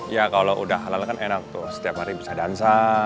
ya kalau udah halal kan enak tuh setiap hari bisa dansa